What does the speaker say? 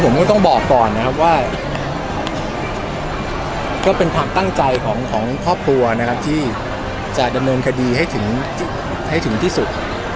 ผมต้องบอกก่อนว่าเป็นภาพตั้งใจของครอบครัวที่จะดำเนินคดีให้ถึงที่สุด